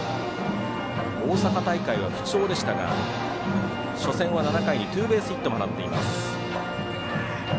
大阪大会は不調でしたが初戦は７回にツーベースヒットも放っています。